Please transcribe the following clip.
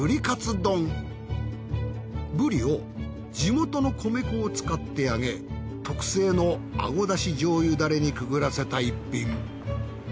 ブリを地元の米粉を使って揚げ特製のあごだしじょうゆダレにくぐらせた一品。